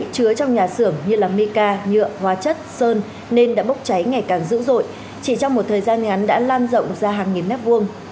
chứa trong nhà xưởng như meca nhựa hóa chất sơn nên đã bốc cháy ngày càng dữ dội chỉ trong một thời gian ngắn đã lan rộng ra hàng nghìn mét vuông